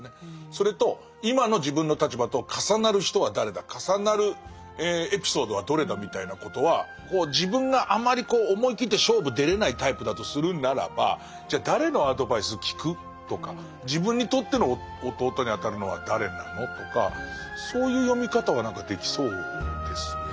それと今の自分の立場と重なる人は誰だ重なるエピソードはどれだみたいなことは自分があまり思い切って勝負出れないタイプだとするならばじゃあ誰のアドバイス聞く？とか自分にとっての弟にあたるのは誰なの？とかそういう読み方は何かできそうですね。